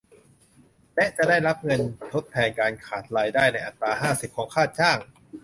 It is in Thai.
และจะได้รับเงินทดแทนการขาดรายได้ในอัตรา ห้าสิบ ของค่าจ้าง